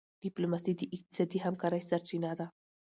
ډيپلوماسي د اقتصادي همکارۍ سرچینه ده.